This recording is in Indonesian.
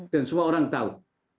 dan semua orang tahu